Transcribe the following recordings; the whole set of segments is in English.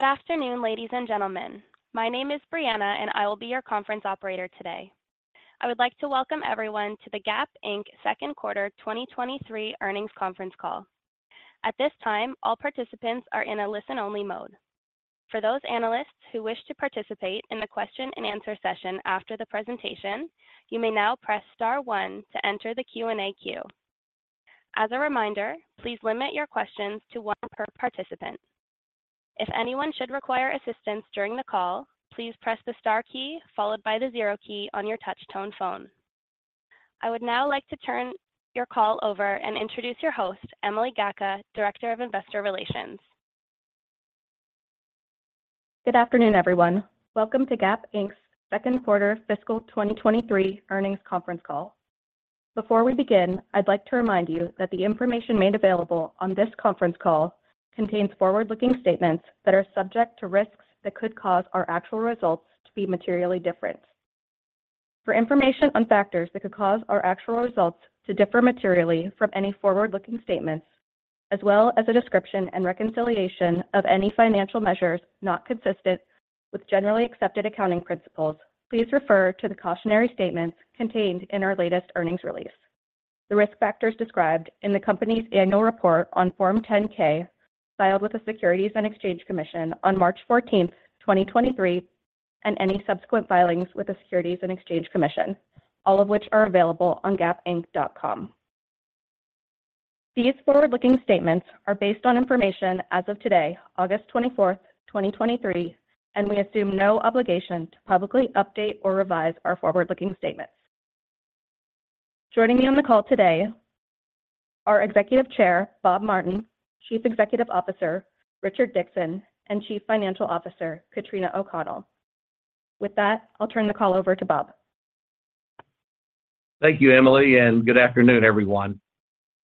Good afternoon, ladies and gentlemen. My name is Brianna, and I will be your conference operator today. I would like to welcome everyone to the Gap Inc's Second Quarter 2023 Earnings Conference Call. At this time, all participants are in a listen-only mode. For those analysts who wish to participate in the question-and-answer session after the presentation, you may now press star one to enter the Q&A queue. As a reminder, please limit your questions to one per participant. If anyone should require assistance during the call, please press the star key followed by the zero key on your touch tone phone. I would now like to turn your call over and introduce your host, Emily Gacka, Director of Investor Relations. Good afternoon, everyone. Welcome to Gap Inc's Second Quarter Fiscal 2023 Earnings Conference Call. Before we begin, I'd like to remind you that the information made available on this conference call contains forward-looking statements that are subject to risks that could cause our actual results to be materially different. For information on factors that could cause our actual results to differ materially from any forward-looking statements, as well as a description and reconciliation of any financial measures not consistent with generally accepted accounting principles, please refer to the cautionary statements contained in our latest earnings release. The risk factors described in the company's annual report on Form 10-K, filed with the Securities and Exchange Commission on March 14, 2023, and any subsequent filings with the Securities and Exchange Commission, all of which are available on gapInc.com. These forward-looking statements are based on information as of today, August 24, 2023, and we assume no obligation to publicly update or revise our forward-looking statements. Joining me on the call today are Executive Chair Bob Martin, Chief Executive Officer Richard Dickson, and Chief Financial Officer Katrina O’Connell. With that, I'll turn the call over to Bob. Thank you, Emily, and good afternoon, everyone.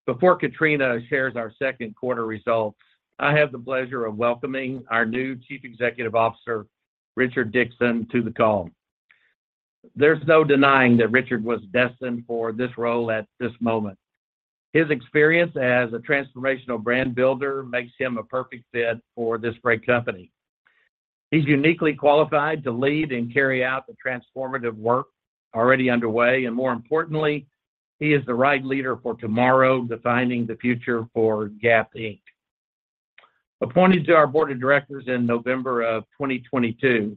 Before Katrina shares our second quarter results, I have the pleasure of welcoming our new Chief Executive Officer, Richard Dickson, to the call. There's no denying that Richard was destined for this role at this moment. His experience as a transformational brand builder makes him a perfect fit for this great company. He's uniquely qualified to lead and carry out the transformative work already underway, and more importantly, he is the right leader for tomorrow, defining the future for Gap Inc appointed to our board of directors in November of 2022,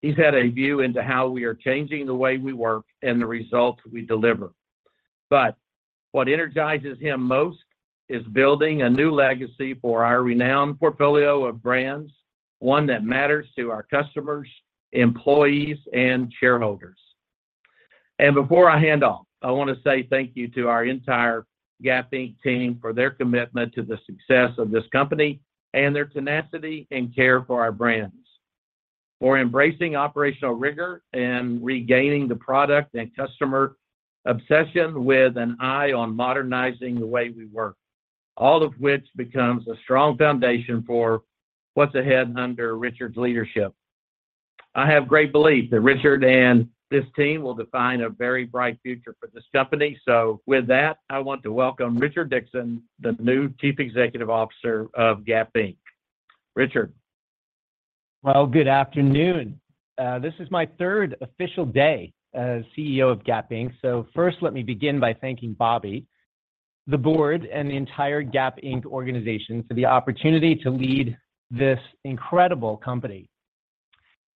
he's had a view into how we are changing the way we work and the results we deliver. But what energizes him most is building a new legacy for our renowned portfolio of brands, one that matters to our customers, employees, and shareholders. And before I hand off, I want to say thank you to our entire Gap Inc team for their commitment to the success of this company and their tenacity and care for our brands, for embracing operational rigor and regaining the product and customer obsession with an eye on modernizing the way we work, all of which becomes a strong foundation for what's ahead under Richard's leadership. I have great belief that Richard and this team will define a very bright future for this company. So with that, I want to welcome Richard Dickson, the new Chief Executive Officer of Gap Inc Richard? Well, good afternoon. This is my third official day as CEO of Gap Inc So first, let me begin by thanking Bobby, the board, and the entire Gap Inc organization for the opportunity to lead this incredible company.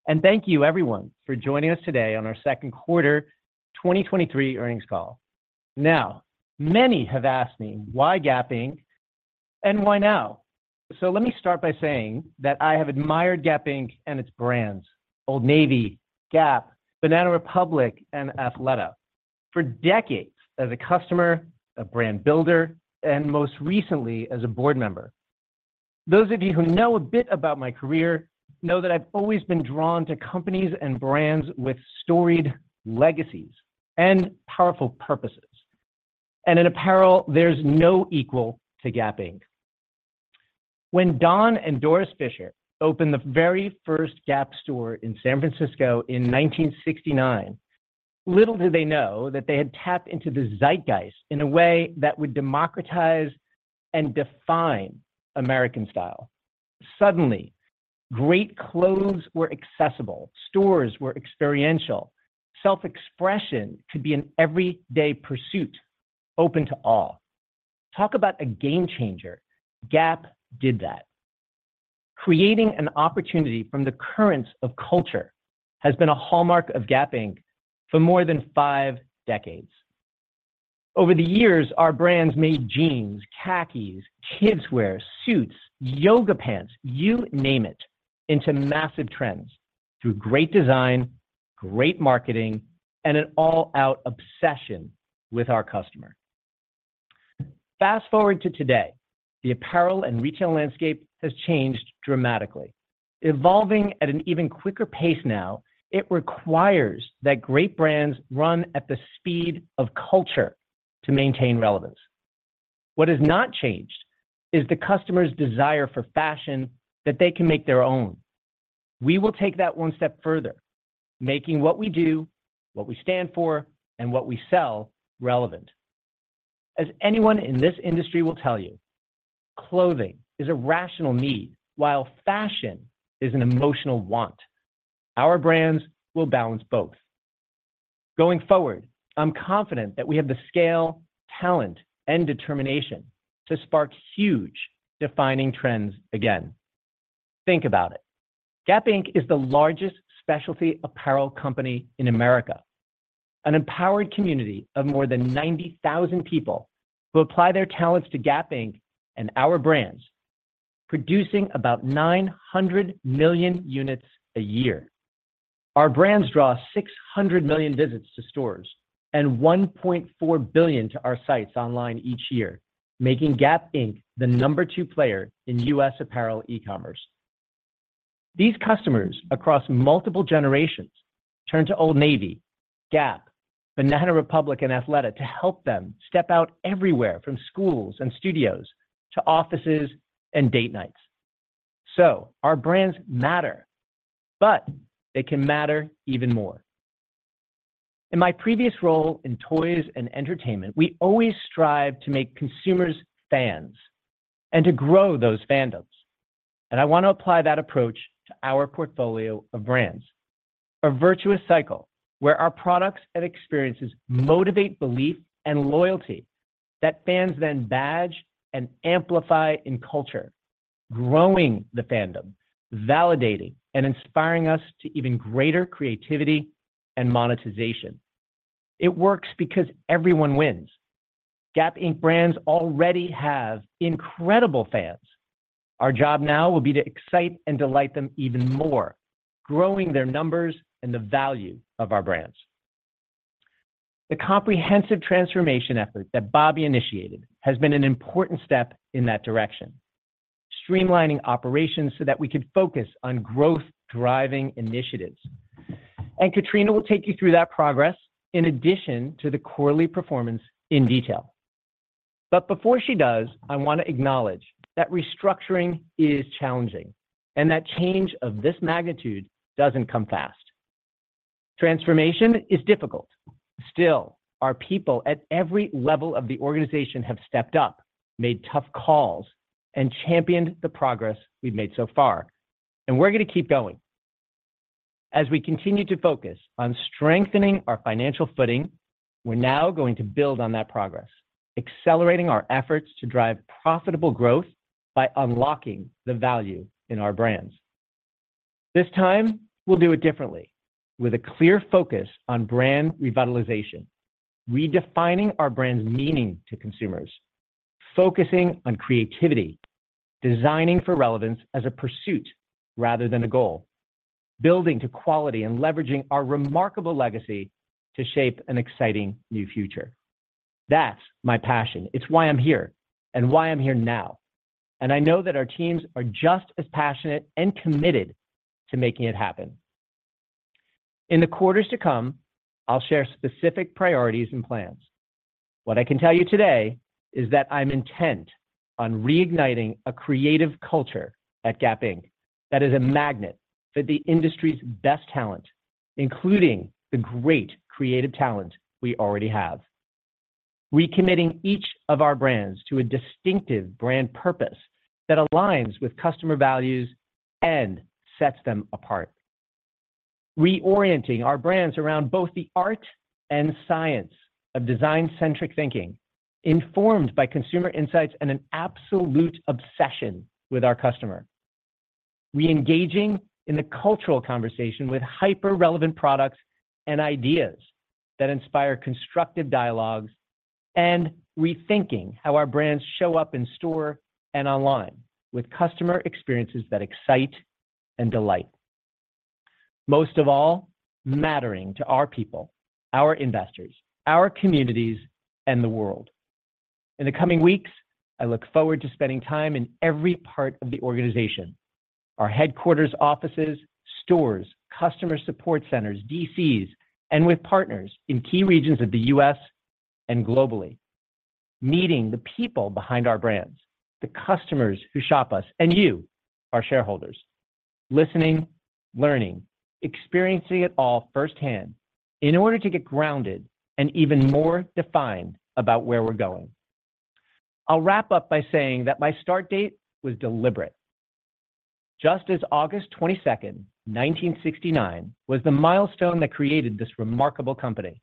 And thank you, everyone, for joining us today on our second quarter 2023 earnings call. Now, many have asked me, "Why Gap Inc, and why now?" So let me start by saying that I have admired Gap Inc and its brands, Old Navy, Gap, Banana Republic, and Athleta, for decades as a customer, a brand builder, and most recently, as a board member. Those of you who know a bit about my career know that I've always been drawn to companies and brands with storied legacies and powerful purposes. And in apparel, there's no equal to Gap Inc When Don and Doris Fisher opened the very first Gap store in San Francisco in 1969, little did they know that they had tapped into the zeitgeist in a way that would democratize and define American style. Suddenly, great clothes were accessible, stores were experiential. Self-expression could be an everyday pursuit, open to all. Talk about a game changer. Gap did that. Creating an opportunity from the currents of culture has been a hallmark of Gap Inc for more than five decades. Over the years, our brands made jeans, khakis, kids wear, suits, yoga pants, you name it, into massive trends, through great design, great marketing, and an all-out obsession with our customer. Fast forward to today, the apparel and retail landscape has changed dramatically. Evolving at an even quicker pace now, it requires that great brands run at the speed of culture to maintain relevance. What has not changed is the customer's desire for fashion that they can make their own. We will take that one step further, making what we do, what we stand for, and what we sell relevant. As anyone in this industry will tell you, clothing is a rational need, while fashion is an emotional want. Our brands will balance both. Going forward, I'm confident that we have the scale, talent, and determination to spark huge defining trends again. Think about it. Gap Inc is the largest specialty apparel company in America. An empowered community of more than 90,000 people who apply their talents to Gap Inc and our brands, producing about 900 million units a year. Our brands draw 600 million visits to stores and 1.4 billion to our sites online each year, making Gap Inc the number two player in U.S. apparel e-commerce. These customers, across multiple generations, turn to Old Navy, Gap, Banana Republic, and Athleta to help them step out everywhere, from schools and studios to offices and date nights. So our brands matter, but they can matter even more. In my previous role in toys and entertainment, we always strived to make consumers fans and to grow those fandoms, and I want to apply that approach to our portfolio of brands. A virtuous cycle where our products and experiences motivate belief and loyalty, that fans then badge and amplify in culture, growing the fandom, validating and inspiring us to even greater creativity and monetization. It works because everyone wins. Gap Inc brands already have incredible fans. Our job now will be to excite and delight them even more, growing their numbers and the value of our brands. The comprehensive transformation effort that Bobby initiated has been an important step in that direction, streamlining operations so that we could focus on growth-driving initiatives. Katrina will take you through that progress in addition to the quarterly performance in detail. Before she does, I want to acknowledge that restructuring is challenging, and that change of this magnitude doesn't come fast. Transformation is difficult. Still, our people at every level of the organization have stepped up, made tough calls, and championed the progress we've made so far, and we're gonna keep going. As we continue to focus on strengthening our financial footing, we're now going to build on that progress, accelerating our efforts to drive profitable growth by unlocking the value in our brands. This time, we'll do it differently, with a clear focus on brand revitalization, redefining our brand's meaning to consumers, focusing on creativity, designing for relevance as a pursuit rather than a goal, building to quality and leveraging our remarkable legacy to shape an exciting new future. That's my passion. It's why I'm here and why I'm here now, and I know that our teams are just as passionate and committed to making it happen. In the quarters to come, I'll share specific priorities and plans. What I can tell you today is that I'm intent on reigniting a creative culture at Gap Inc that is a magnet for the industry's best talent, including the great creative talent we already have. Recommitting each of our brands to a distinctive brand purpose that aligns with customer values and sets them apart. Reorienting our brands around both the art and science of design-centric thinking, informed by consumer insights and an absolute obsession with our customer. Reengaging in the cultural conversation with hyper-relevant products and ideas that inspire constructive dialogues, and rethinking how our brands show up in store and online with customer experiences that excite and delight. Most of all, mattering to our people, our investors, our communities, and the world. In the coming weeks, I look forward to spending time in every part of the organization, our headquarters offices, stores, customer support centers, DCs, and with partners in key regions of the U.S. and globally. Meeting the people behind our brands, the customers who shop us, and you, our shareholders. Listening, learning, experiencing it all firsthand in order to get grounded and even more defined about where we're going. I'll wrap up by saying that my start date was deliberate. Just as August 22, 1969, was the milestone that created this remarkable company,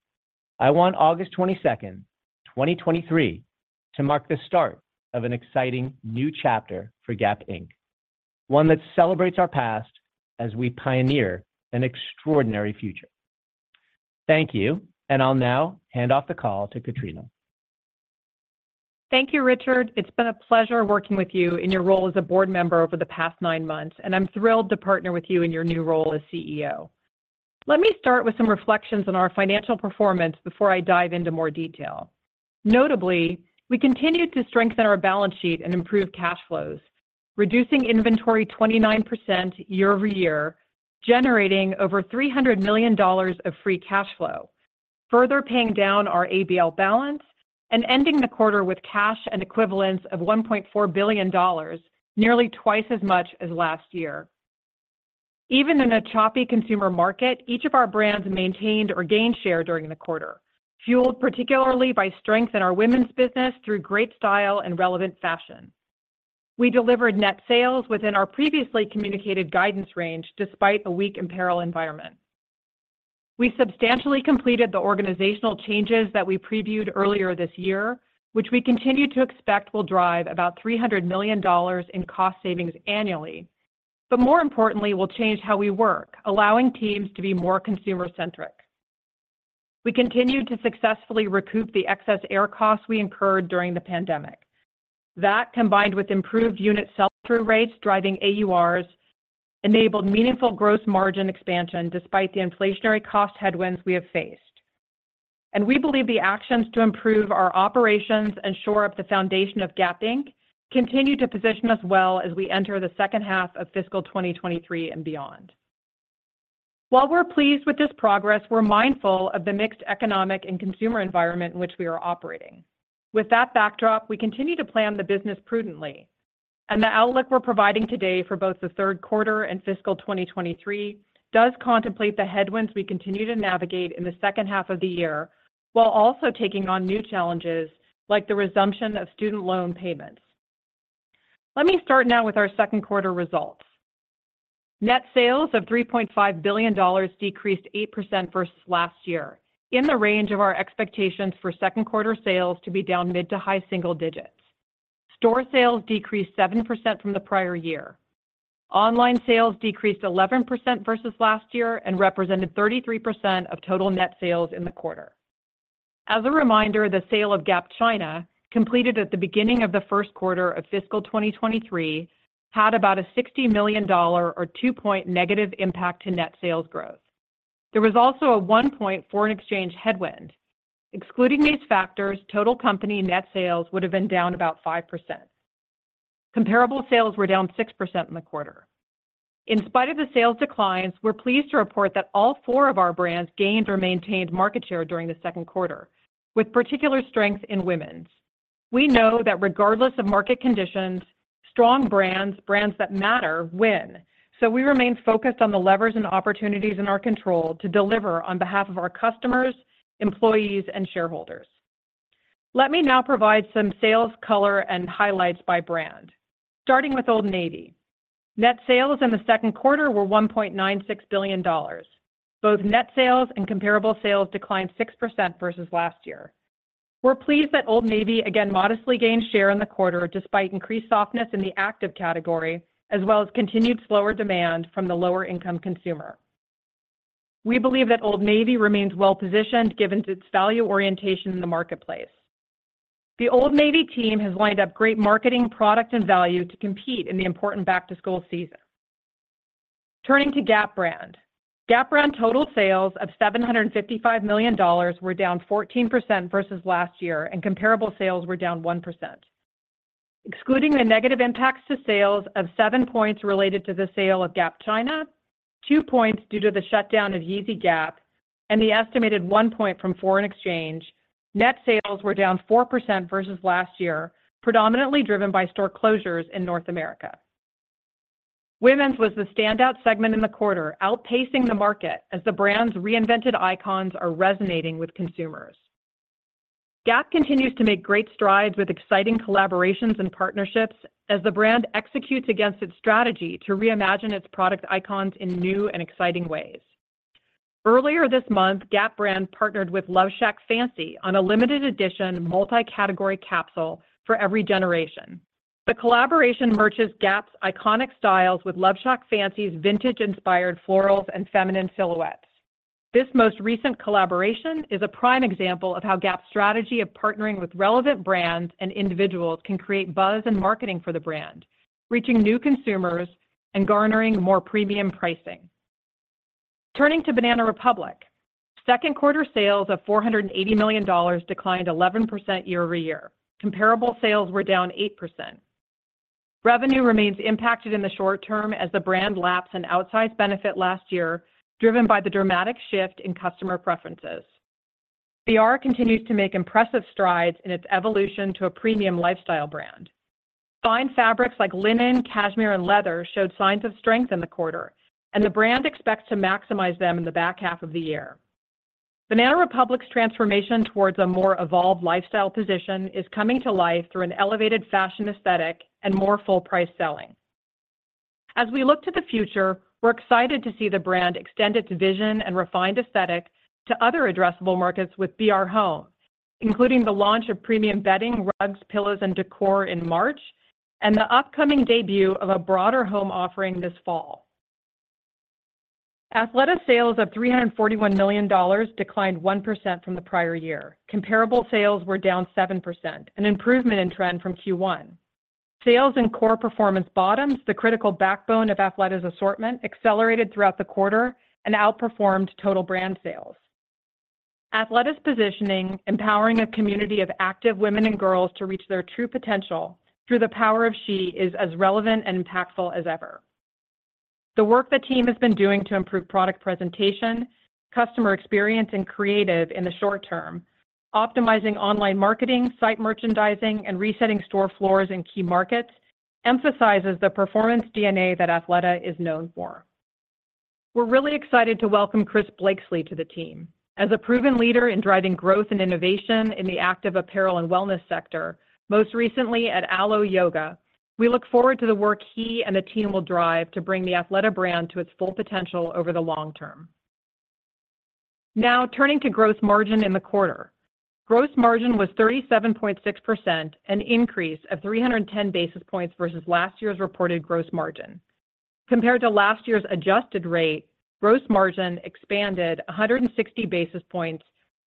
I want August 22, 2023, to mark the start of an exciting new chapter for Gap Inc One that celebrates our past as we pioneer an extraordinary future. Thank you, and I'll now hand off the call to Katrina. Thank you, Richard. It's been a pleasure working with you in your role as a board member over the past nine months, and I'm thrilled to partner with you in your new role as CEO. Let me start with some reflections on our financial performance before I dive into more detail. Notably, we continued to strengthen our balance sheet and improve cash flows, reducing inventory 29% year-over-year, generating over $300 million of free cash flow, further paying down our ABL balance, and ending the quarter with cash and equivalents of $1.4 billion, nearly twice as much as last year.... Even in a choppy consumer market, each of our brands maintained or gained share during the quarter, fueled particularly by strength in our women's business through great style and relevant fashion. We delivered net sales within our previously communicated guidance range, despite a weak apparel environment. We substantially completed the organizational changes that we previewed earlier this year, which we continue to expect will drive about $300 million in cost savings annually, but more importantly, will change how we work, allowing teams to be more consumer-centric. We continued to successfully recoup the excess air costs we incurred during the pandemic. That, combined with improved unit sell-through rates, driving AURs, enabled meaningful gross margin expansion despite the inflationary cost headwinds we have faced. We believe the actions to improve our operations and shore up the foundation of Gap Inc continue to position us well as we enter the second half of fiscal 2023 and beyond. While we're pleased with this progress, we're mindful of the mixed economic and consumer environment in which we are operating. With that backdrop, we continue to plan the business prudently, and the outlook we're providing today for both the third quarter and fiscal 2023 does contemplate the headwinds we continue to navigate in the second-half of the year, while also taking on new challenges like the resumption of student loan payments. Let me start now with our second quarter results. Net sales of $3.5 billion decreased 8% versus last year, in the range of our expectations for second quarter sales to be down mid- to high-single digits. Store sales decreased 7% from the prior year. Online sales decreased 11% versus last year and represented 33% of total net sales in the quarter. As a reminder, the sale of Gap China, completed at the beginning of the first quarter of fiscal 2023, had about a $60 million or 2-point negative impact to net sales growth. There was also a 1-point foreign exchange headwind. Excluding these factors, total company net sales would have been down about 5%. Comparable sales were down 6% in the quarter. In spite of the sales declines, we're pleased to report that all four of our brands gained or maintained market share during the second quarter, with particular strength in women's. We know that regardless of market conditions, strong brands, brands that matter, win. So we remain focused on the levers and opportunities in our control to deliver on behalf of our customers, employees, and shareholders. Let me now provide some sales color and highlights by brand, starting with Old Navy. Net sales in the second quarter were $1.96 billion. Both net sales and comparable sales declined 6% versus last year. We're pleased that Old Navy again modestly gained share in the quarter, despite increased softness in the active category, as well as continued slower demand from the lower-income consumer. We believe that Old Navy remains well-positioned, given its value orientation in the marketplace. The Old Navy team has lined up great marketing, product, and value to compete in the important back-to-school season. Turning to Gap brand. Gap brand total sales of $755 million were down 14% versus last year, and comparable sales were down 1%. Excluding the negative impacts to sales of 7 points related to the sale of Gap China, 2 points due to the shutdown of Yeezy Gap, and the estimated 1 point from foreign exchange, net sales were down 4% versus last year, predominantly driven by store closures in North America. Women's was the standout segment in the quarter, outpacing the market as the brand's reinvented icons are resonating with consumers. Gap continues to make great strides with exciting collaborations and partnerships as the brand executes against its strategy to reimagine its product icons in new and exciting ways. Earlier this month, Gap brand partnered with LoveShackFancy on a limited edition, multi-category capsule for every generation. The collaboration merges Gap's iconic styles with LoveShackFancy's vintage-inspired florals and feminine silhouettes. This most recent collaboration is a prime example of how Gap's strategy of partnering with relevant brands and individuals can create buzz in marketing for the brand, reaching new consumers and garnering more premium pricing. Turning to Banana Republic, second quarter sales of $480 million declined 11% year-over-year. Comparable sales were down 8%. Revenue remains impacted in the short term as the brand laps an outsized benefit last year, driven by the dramatic shift in customer preferences. BR continues to make impressive strides in its evolution to a premium lifestyle brand. Fine fabrics like linen, cashmere, and leather showed signs of strength in the quarter, and the brand expects to maximize them in the back half of the year. Banana Republic's transformation towards a more evolved lifestyle position is coming to life through an elevated fashion aesthetic and more full price selling. As we look to the future, we're excited to see the brand extend its vision and refined aesthetic to other addressable markets with BR Home, including the launch of premium bedding, rugs, pillows, and decor in March, and the upcoming debut of a broader home offering this fall. Athleta sales of $341 million declined 1% from the prior year. Comparable sales were down 7%, an improvement in trend from Q1. Sales in core performance bottoms, the critical backbone of Athleta's assortment, accelerated throughout the quarter and outperformed total brand sales. Athleta's positioning, empowering a community of active women and girls to reach their true potential through the Power of She, is as relevant and impactful as ever. The work the team has been doing to improve product presentation, customer experience, and creative in the short term...... Optimizing online marketing, site merchandising, and resetting store floors in key markets emphasizes the performance DNA that Athleta is known for. We're really excited to welcome Chris Blakeslee to the team. As a proven leader in driving growth and innovation in the active apparel and wellness sector, most recently at Alo Yoga, we look forward to the work he and the team will drive to bring the Athleta brand to its full potential over the long term. Now, turning to gross margin in the quarter. Gross margin was 37.6%, an increase of 310 basis points versus last year's reported gross margin. Compared to last year's adjusted rate, gross margin expanded 160 basis points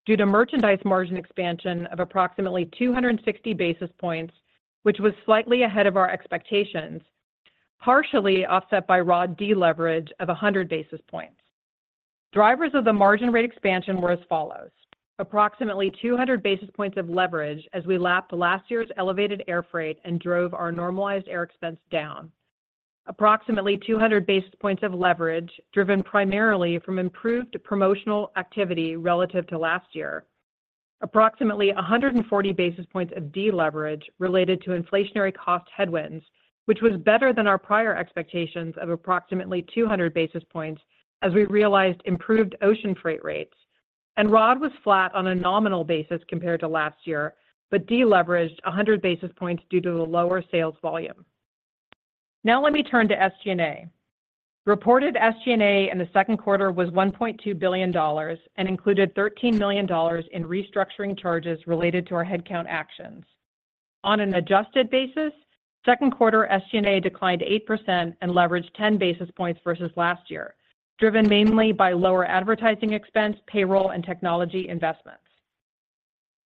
due to merchandise margin expansion of approximately 260 basis points, which was slightly ahead of our expectations, partially offset by ROD deleverage of 100 basis points. Drivers of the margin rate expansion were as follows: approximately 200 basis points of leverage as we lapped last year's elevated air freight and drove our normalized air expense down. Approximately 200 basis points of leverage, driven primarily from improved promotional activity relative to last year. Approximately 140 basis points of deleverage related to inflationary cost headwinds, which was better than our prior expectations of approximately 200 basis points as we realized improved ocean freight rates. ROD was flat on a nominal basis compared to last year, but deleveraged 100 basis points due to the lower sales volume. Now let me turn to SG&A. Reported SG&A in the second quarter was $1.2 billion and included $13 million in restructuring charges related to our headcount actions. On an adjusted basis, second quarter SG&A declined 8% and leveraged 10 basis points versus last year, driven mainly by lower advertising expense, payroll, and technology investments.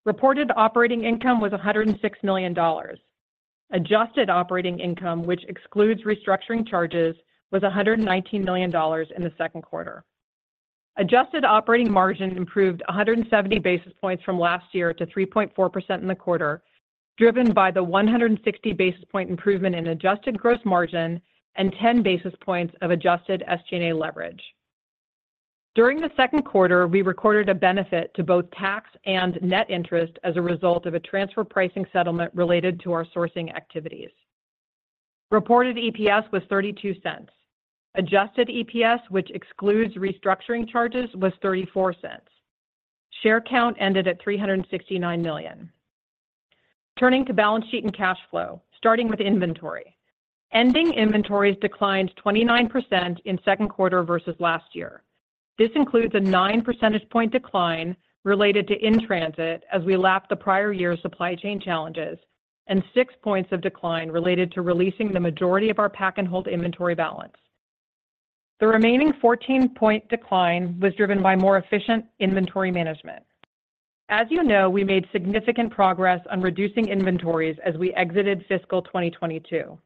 Reported operating income was $106 million. Adjusted operating income, which excludes restructuring charges, was $119 million in the second quarter. Adjusted operating margin improved 170 basis points from last year to 3.4% in the quarter, driven by the 160 basis point improvement in adjusted gross margin and 10 basis points of adjusted SG&A leverage. During the second quarter, we recorded a benefit to both tax and net interest as a result of a transfer pricing settlement related to our sourcing activities. Reported EPS was $0.32. Adjusted EPS, which excludes restructuring charges, was $0.34. Share count ended at $369 million. Turning to balance sheet and cash flow, starting with inventory. Ending inventories declined 29% in second quarter versus last year. This includes a 9 percentage point decline related to in-transit as we lapped the prior year's supply chain challenges, and 6 points of decline related to releasing the majority of our Pack and Hold inventory balance. The remaining 14-point decline was driven by more efficient inventory management. As you know, we made significant progress on reducing inventories as we exited fiscal 2022.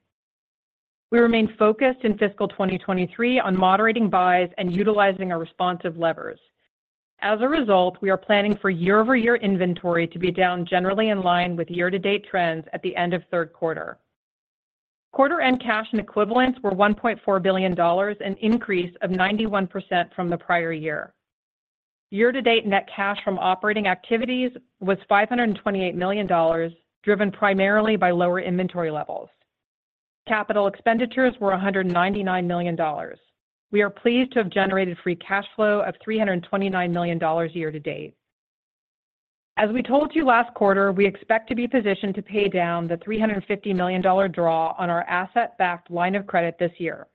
We remain focused in fiscal 2023 on moderating buys and utilizing our responsive levers. As a result, we are planning for year-over-year inventory to be down generally in line with year-to-date trends at the end of third quarter. Quarter-end cash and equivalents were $1.4 billion, an increase of 91% from the prior year. Year-to-date, net cash from operating activities was $528 million, driven primarily by lower inventory levels. Capital expenditures were $199 million. We are pleased to have generated free cash flow of $329 million year-to-date. As we told you last quarter, we expect to be positioned to pay down the $350 million draw on our asset-backed line of credit this year.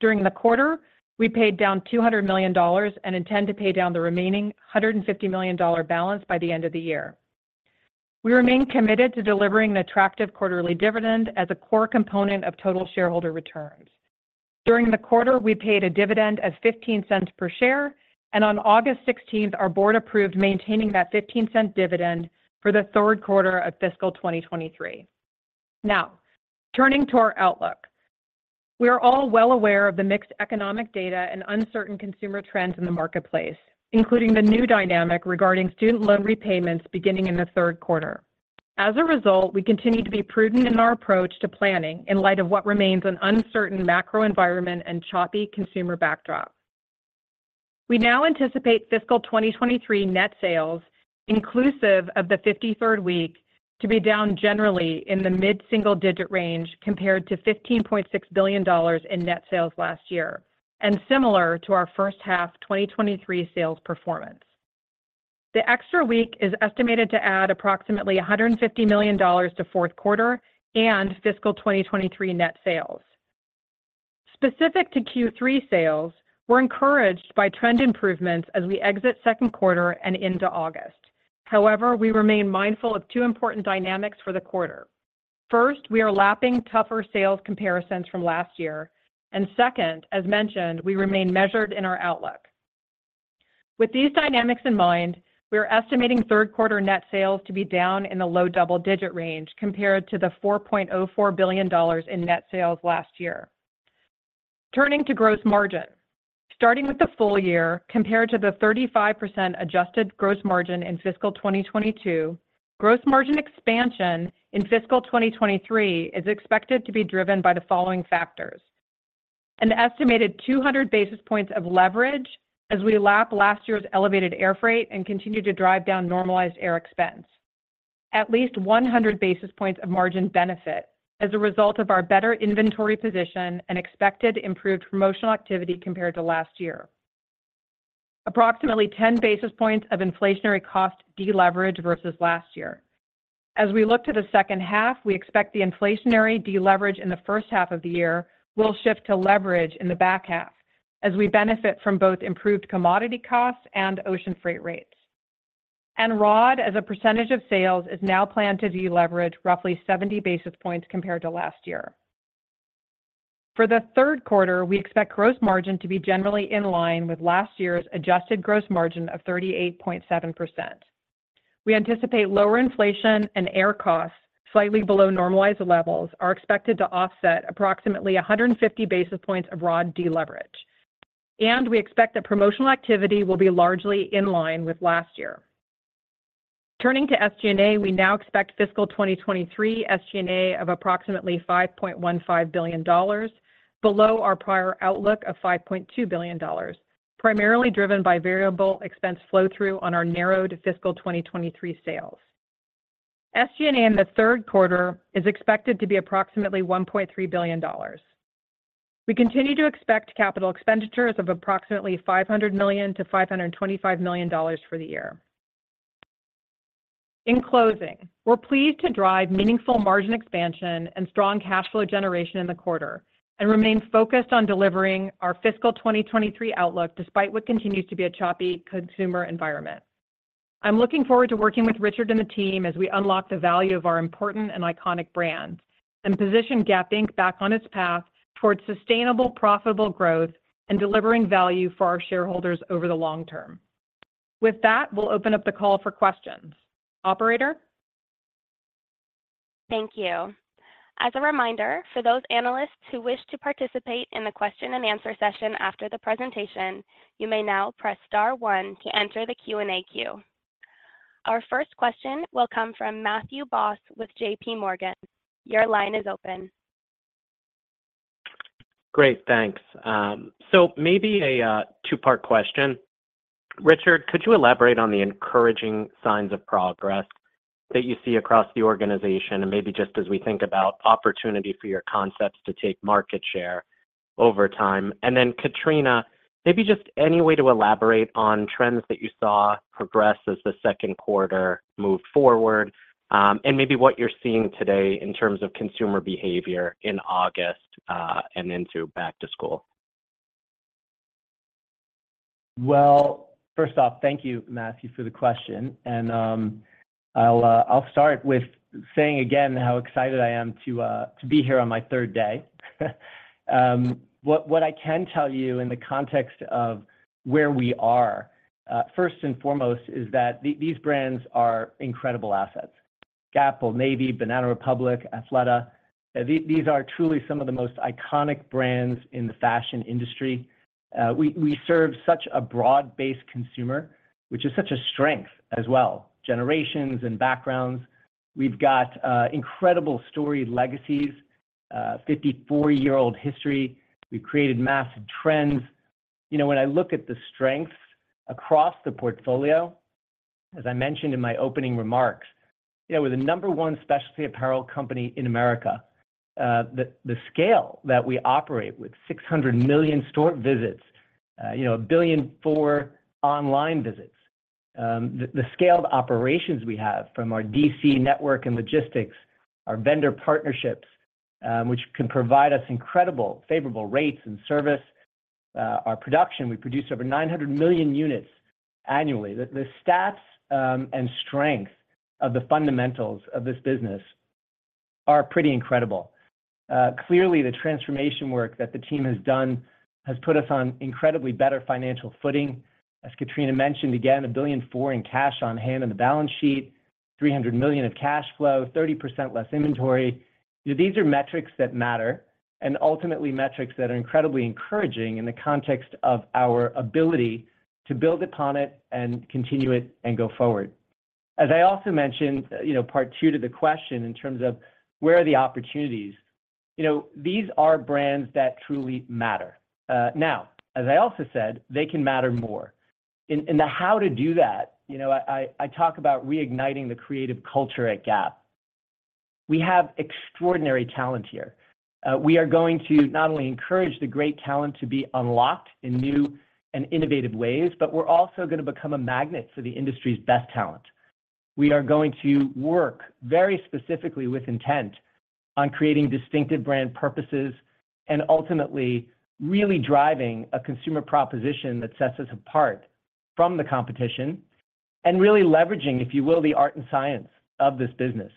During the quarter, we paid down $200 million and intend to pay down the remaining $150 million balance by the end of the year. We remain committed to delivering an attractive quarterly dividend as a core component of total shareholder returns. During the quarter, we paid a dividend of $0.15 per share, and on August 16, our board approved maintaining that $0.15 dividend for the third quarter of fiscal 2023. Now, turning to our outlook. We are all well aware of the mixed economic data and uncertain consumer trends in the marketplace, including the new dynamic regarding student loan repayments beginning in the third quarter. As a result, we continue to be prudent in our approach to planning in light of what remains an uncertain macro environment and choppy consumer backdrop. We now anticipate fiscal 2023 net sales, inclusive of the 53rd week, to be down generally in the mid-single-digit range, compared to $15.6 billion in net sales last year, and similar to our first half 2023 sales performance. The extra week is estimated to add approximately $150 million to fourth quarter and fiscal 2023 net sales. Specific to Q3 sales, we're encouraged by trend improvements as we exit second quarter and into August. However, we remain mindful of two important dynamics for the quarter. First, we are lapping tougher sales comparisons from last year, and second, as mentioned, we remain measured in our outlook. With these dynamics in mind, we are estimating third quarter net sales to be down in the low double-digit range compared to the $4.04 billion in net sales last year. Turning to gross margin. Starting with the full year, compared to the 35% adjusted gross margin in fiscal 2022, gross margin expansion in fiscal 2023 is expected to be driven by the following factors:... An estimated 200 basis points of leverage as we lap last year's elevated air freight and continue to drive down normalized air expense. At least 100 basis points of margin benefit as a result of our better inventory position and expected improved promotional activity compared to last year. Approximately 10 basis points of inflationary cost deleverage versus last year. As we look to the second half, we expect the inflationary deleverage in the first half of the year will shift to leverage in the back half, as we benefit from both improved commodity costs and ocean freight rates. And ROD as a percentage of sales, is now planned to deleverage roughly 70 basis points compared to last year. For the third quarter, we expect gross margin to be generally in line with last year's adjusted gross margin of 38.7%. We anticipate lower inflation and air costs, slightly below normalized levels, are expected to offset approximately 150 basis points of raw deleverage, and we expect that promotional activity will be largely in line with last year. Turning to SG&A, we now expect fiscal 2023 SG&A of approximately $5.15 billion, below our prior outlook of $5.2 billion, primarily driven by variable expense flow-through on our narrowed fiscal 2023 sales. SG&A in the third quarter is expected to be approximately $1.3 billion. We continue to expect capital expenditures of approximately $500 million-$525 million for the year. In closing, we're pleased to drive meaningful margin expansion and strong cash flow generation in the quarter, and remain focused on delivering our fiscal 2023 outlook, despite what continues to be a choppy consumer environment. I'm looking forward to working with Richard and the team as we unlock the value of our important and iconic brands, and position Gap Inc Back on its path toward sustainable, profitable growth and delivering value for our shareholders over the long term. With that, we'll open up the call for questions. Operator? Thank you. As a reminder, for those analysts who wish to participate in the question and answer session after the presentation, you may now press star one to enter the Q&A queue. Our first question will come from Matthew Boss with JP Morgan. Your line is open. Great, thanks. So maybe a two-part question. Richard, could you elaborate on the encouraging signs of progress that you see across the organization, and maybe just as we think about opportunity for your concepts to take market share over time? And then, Katrina, maybe just any way to elaborate on trends that you saw progress as the second quarter moved forward, and maybe what you're seeing today in terms of consumer behavior in August, and into back to school. Well, first off, thank you, Matthew, for the question. I'll start with saying again, how excited I am to be here on my third day. What I can tell you in the context of where we are, first and foremost, is that these brands are incredible assets. Gap, Old Navy, Banana Republic, Athleta, these are truly some of the most iconic brands in the fashion industry. We serve such a broad-based consumer, which is such a strength as well, generations and backgrounds. We've got incredible storied legacies, 54-year-old history. We've created massive trends. You know, when I look at the strengths across the portfolio, as I mentioned in my opening remarks, you know, we're the number one specialty apparel company in America. The scale that we operate with 600 million store visits, you know, 1 billion for online visits. The scale of operations we have from our DC network and logistics, our vendor partnerships, which can provide us incredible favorable rates and service. Our production, we produce over 900 million units annually. The stats and strength of the fundamentals of this business are pretty incredible. Clearly, the transformation work that the team has done has put us on incredibly better financial footing. As Katrina mentioned, again, $1.4 billion in cash on hand on the balance sheet, $300 million of cash flow, 30% less inventory. These are metrics that matter, and ultimately, metrics that are incredibly encouraging in the context of our ability to build upon it and continue it and go forward. As I also mentioned, you know, part two to the question in terms of where are the opportunities? You know, these are brands that truly matter. Now, as I also said, they can matter more. And the how to do that, you know, I talk about reigniting the creative culture at Gap. We have extraordinary talent here. We are going to not only encourage the great talent to be unlocked in new and innovative ways, but we're also gonna become a magnet for the industry's best talent. We are going to work very specifically with intent on creating distinctive brand purposes and ultimately really driving a consumer proposition that sets us apart from the competition, and really leveraging, if you will, the art and science of this business,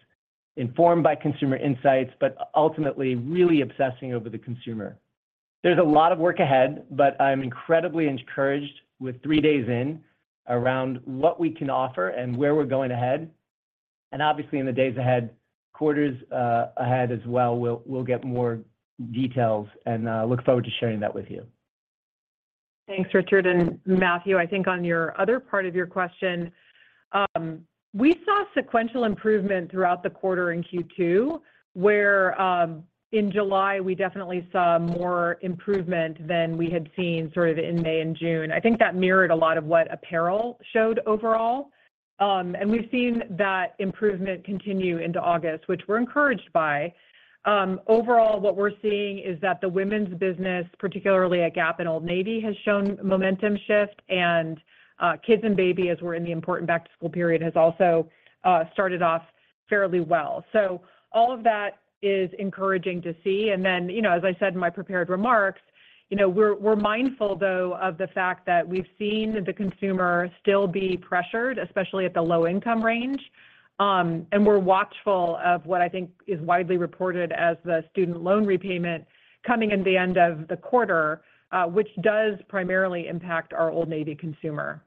informed by consumer insights, but ultimately, really obsessing over the consumer. There's a lot of work ahead, but I'm incredibly encouraged with three days in, around what we can offer and where we're going ahead. Obviously, in the days ahead, quarters, ahead as well, we'll get more details, and look forward to sharing that with you.... Thanks, Richard and Matthew. I think on your other part of your question, we saw sequential improvement throughout the quarter in Q2, where, in July, we definitely saw more improvement than we had seen sort of in May and June. I think that mirrored a lot of what apparel showed overall. And we've seen that improvement continue into August, which we're encouraged by. Overall, what we're seeing is that the women's business, particularly at Gap and Old Navy, has shown momentum shift, and, kids and baby, as we're in the important back-to-school period, has also started off fairly well. So all of that is encouraging to see. And then, you know, as I said in my prepared remarks, you know, we're, we're mindful though, of the fact that we've seen the consumer still be pressured, especially at the low income range. We're watchful of what I think is widely reported as the student loan repayment coming in the end of the quarter, which does primarily impact our Old Navy consumer.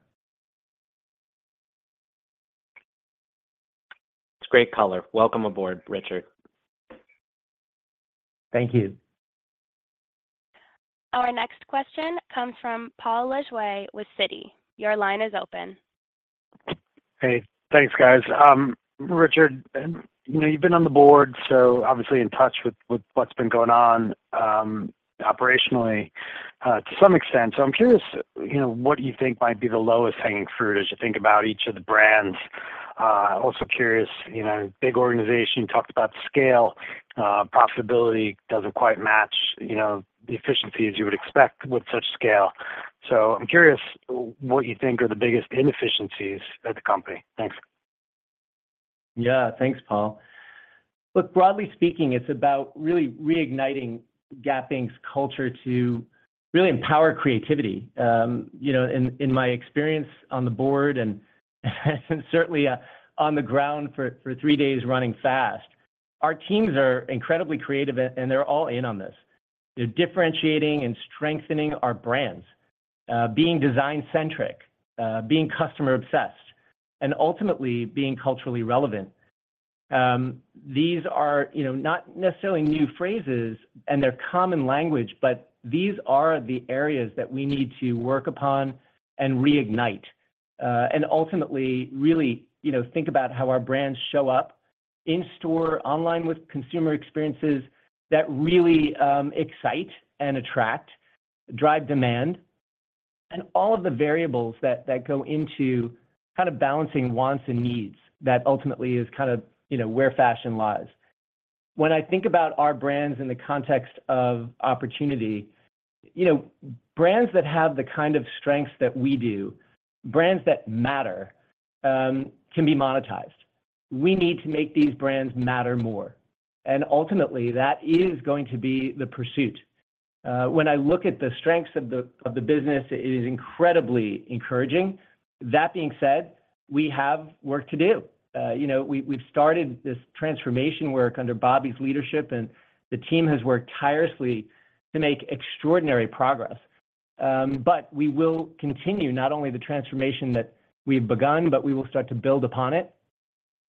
It's great color. Welcome aboard, Richard. Thank you. Our next question comes from Paul Lejuez with Citi. Your line is open. Hey, thanks, guys. Richard, and you know, you've been on the board, so obviously in touch with what's been going on operationally, to some extent. So I'm curious, you know, what you think might be the lowest hanging fruit as you think about each of the brands? Also curious, you know, big organization, talked about scale, profitability doesn't quite match, you know, the efficiencies you would expect with such scale. So I'm curious what you think are the biggest inefficiencies at the company. Thanks. Yeah. Thanks, Paul. Look, broadly speaking, it's about really reigniting Gap Inc's culture to really empower creativity. You know, in my experience on the board and certainly on the ground for three days running fast, our teams are incredibly creative, and they're all in on this. They're differentiating and strengthening our brands, being design-centric, being customer-obsessed, and ultimately being culturally relevant. These are, you know, not necessarily new phrases, and they're common language, but these are the areas that we need to work upon and reignite, and ultimately really, you know, think about how our brands show up in store, online with consumer experiences that really excite and attract, drive demand, and all of the variables that go into kind of balancing wants and needs that ultimately is kind of, you know, where fashion lies. When I think about our brands in the context of opportunity, you know, brands that have the kind of strengths that we do, brands that matter, can be monetized. We need to make these brands matter more, and ultimately, that is going to be the pursuit. When I look at the strengths of the business, it is incredibly encouraging. That being said, we have work to do. You know, we've started this transformation work under Bobby's leadership, and the team has worked tirelessly to make extraordinary progress. But we will continue not only the transformation that we've begun, but we will start to build upon it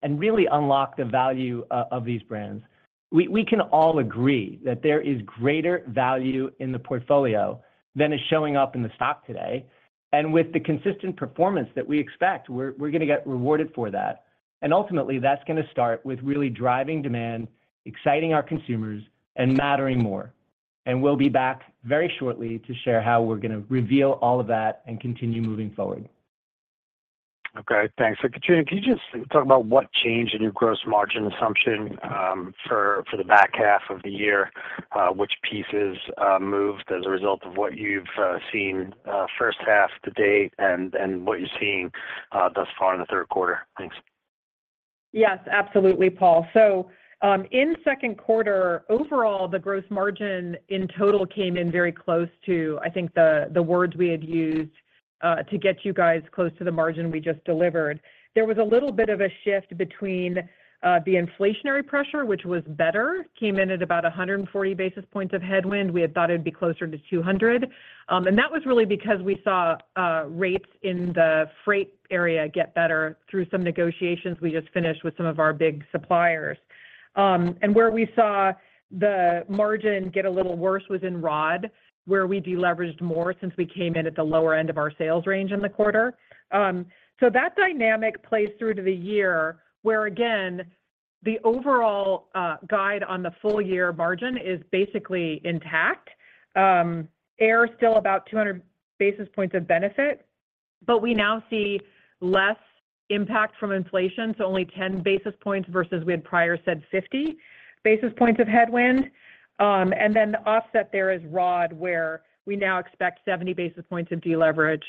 and really unlock the value of these brands. We can all agree that there is greater value in the portfolio than is showing up in the stock today, and with the consistent performance that we expect, we're gonna get rewarded for that. And ultimately, that's gonna start with really driving demand, exciting our consumers, and mattering more. And we'll be back very shortly to share how we're gonna reveal all of that and continue moving forward. Okay, thanks. So Katrina, can you just talk about what changed in your gross margin assumption for the back half of the year, which pieces moved as a result of what you've seen first half to date and what you're seeing thus far in the third quarter? Thanks. Yes, absolutely, Paul. So, in second quarter, overall, the gross margin in total came in very close to, I think the words we had used to get you guys close to the margin we just delivered. There was a little bit of a shift between the inflationary pressure, which was better, came in at about 140 basis points of headwind. We had thought it would be closer to 200. And that was really because we saw rates in the freight area get better through some negotiations we just finished with some of our big suppliers. And where we saw the margin get a little worse was in ROD, where we deleveraged more since we came in at the lower end of our sales range in the quarter. So that dynamic plays through to the year, where, again, the overall guide on the full year margin is basically intact. AUR still about 200 basis points of benefit, but we now see less impact from inflation, so only 10 basis points versus we had prior said 50 basis points of headwind. And then the offset there is ROD, where we now expect 70 basis points of deleverage,